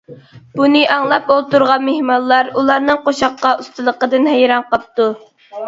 بۇنى ئاڭلاپ ئولتۇرغان مېھمانلار ئۇلارنىڭ قوشاققا ئۇستىلىقىدىن ھەيران قاپتۇ.